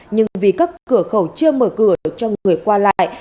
nhưng vì các cửa khẩu chưa mở cửa cho người qua lại